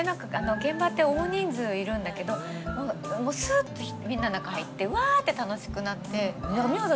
現場って大人数いるんだけどもうすっとみんなの中入ってうわって楽しくなって。